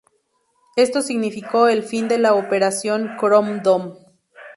Esto significó el fin de la Operación Chrome Dome.